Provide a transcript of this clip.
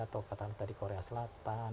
atau kata kata di korea selatan